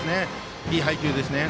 いい配球ですね。